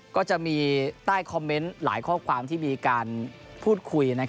ก็จะมีใต้คอมเมนต์หลายข้อความที่มีการพูดคุย